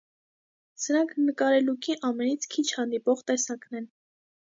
Սրանք նկարելուկի ամենից քիչ հանդիպող տեսակն են։